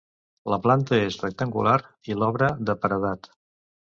La planta és rectangular, i l'obra de paredat.